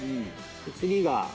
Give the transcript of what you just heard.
次が。